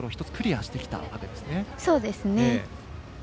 １つクリアしてきたわけですね。